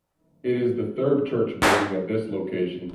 It is the third church building at this location.